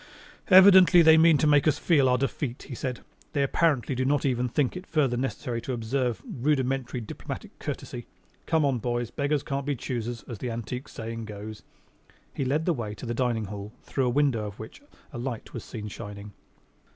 "Evidently they mean to make us feel our defeat," he said. "They apparently do not even think it further necessary to observe rudimentary diplomatic courtesy. Come on, boys, beggars can't be choosers, as the antique saying goes." He led the way to the dining hall through a window of which a light was seen shining.